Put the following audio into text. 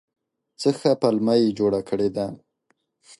څه ښه پلمه یې جوړه کړې ده !